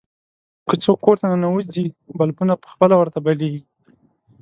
که څوک کور ته ننوځي، بلپونه په خپله ورته بلېږي.